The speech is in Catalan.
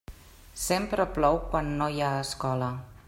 Sempre plou quan no hi ha escola.